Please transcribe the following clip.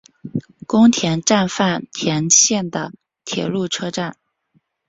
宫田站饭田线的铁路车站。